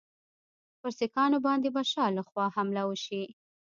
پر سیکهانو باندي به شا له خوا حمله وشي.